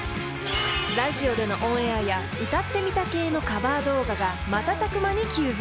［ラジオでのオンエアや歌ってみた系のカバー動画が瞬く間に急増］